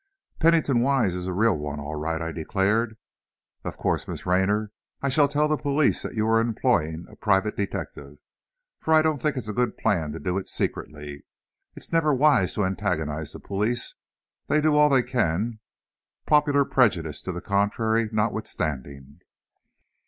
"Pennington Wise is a real one, all right," I declared. "Of course, Miss Raynor, I shall tell the police that you are employing a private detective, for I don't think it a good plan to do it secretly. It is never wise to antagonize the police; they do all they can, popular prejudice to the contrary notwithstanding."